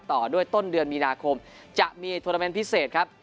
ต่อด้วยต้นเดือนมีนาคมจะมีโทรเมนต์พิเศษครับ